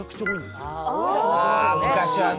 あ昔はね。